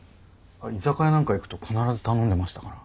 居酒屋なんか行くと必ず頼んでましたから。